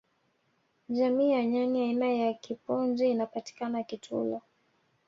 jamii ya nyani aina ya kipunji inapatikana kitulo